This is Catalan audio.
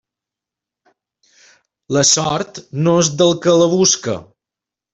La sort no és del que la busca.